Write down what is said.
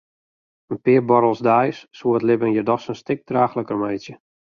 In pear buorrels deis soe it libben hjir dochs in stik draachliker meitsje.